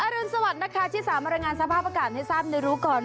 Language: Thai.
รุนสวัสดิ์นะคะที่สามารถรายงานสภาพอากาศให้ทราบในรู้ก่อน